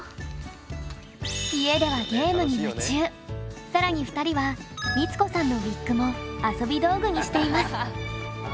家ではさらに２人は光子さんのウィッグも遊び道具にしています。